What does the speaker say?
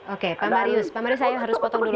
oke pak marius pak marius saya harus potong dulu